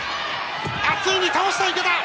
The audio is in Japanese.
ついに倒した、池田！